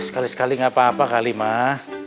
sekali sekali gak papa kali mah